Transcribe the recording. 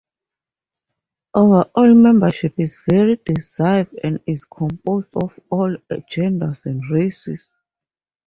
Overall, membership is very diverse and is composed of all genders and races.